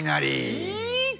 いいから！